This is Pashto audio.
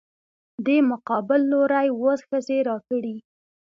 دې مقابل لورى اووه ښځې راکړي.